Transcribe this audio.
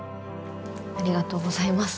ありがとうございます。